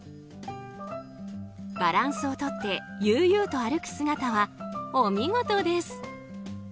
バランスをとって悠々と歩く姿はお見事です。